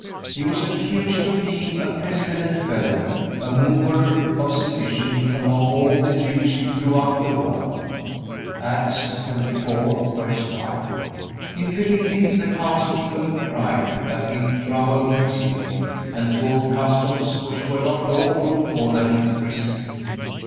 He was accused of being "a pestilent fellow, a mover of sedition among all the Jews throughout the world." (Acts 24:5.) In Philippi the townspeople cried that he troubled their city and taught customs which were not lawful for them to receive.